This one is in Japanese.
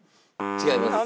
違います。